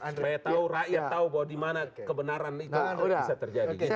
supaya tahu rakyat tahu bahwa di mana kebenaran itu bisa terjadi